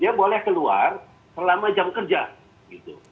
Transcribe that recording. dia boleh keluar selama jam kerja gitu